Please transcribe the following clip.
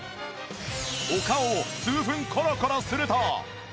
お顔を数分コロコロすると